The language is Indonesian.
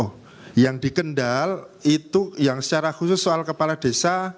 oh yang di kendal itu yang secara khusus soal kepala desa